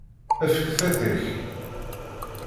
Efk tiṭ-ik!